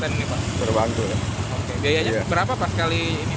daya nya berapa pak sekali ini